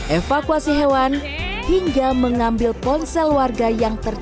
evakuasi hewan hingga mengambil ponsel warga yang terkenal